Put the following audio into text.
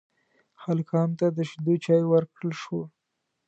هلکانو ته د شيدو چايو ورکړل شوه.